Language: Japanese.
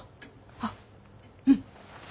あっうん。